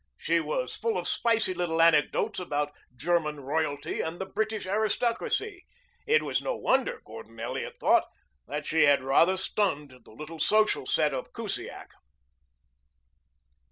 She was full of spicy little anecdotes about German royalty and the British aristocracy. It was no wonder, Gordon Elliot thought, that she had rather stunned the little social set of Kusiak.